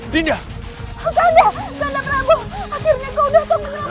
dinda prabu akhirnya kau sudah tukul aku